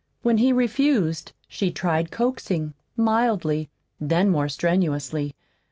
When he refused she tried coaxing, mildly, then more strenuously.